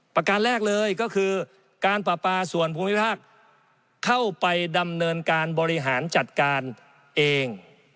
ประการแรกเลยก็คือการปราปาส่วนภูมิภาคเข้าไปดำเนินการบริหารจัดการเอง